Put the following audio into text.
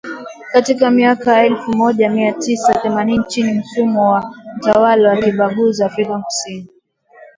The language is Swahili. katika miaka elfu moja mia tisa themanini chini ya mfumo wa utawala wa kibaguzi Afrika Kusini